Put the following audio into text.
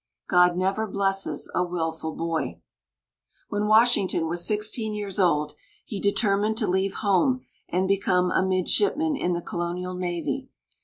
God never blesses a wilful boy. When Washington was sixteen years old, he determined to leave home and become a midshipman in the colonial navy.